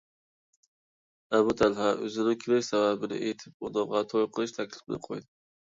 ئەبۇ تەلھە ئۆزىنىڭ كېلىش سەۋەبىنى ئېيتىپ، ئۇنىڭغا توي قىلىش تەكلىپىنى قويدى.